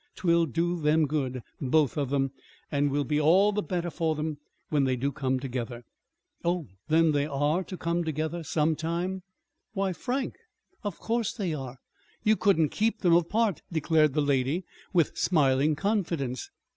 'Twill do them good both of them, and will be all the better for them when they do come together." "Oh, then they are to come together some time!" "Why, Frank, of course they are! You couldn't keep them apart," declared the lady, with smiling confidence.